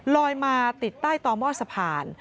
ลอยมาติดใต้ต่อหม้อสะพาน